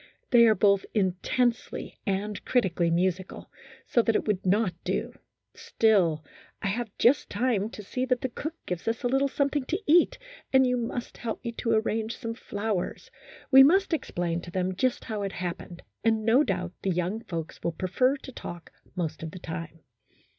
They are both intensely and critically musical, so that it would not do, still, I have just time to see that the cook gives us a little something to eat, and you must help me to arrange some flow ers ; we must explain to them just how it happened, and no doubt the young folks will prefer to talk most of the time."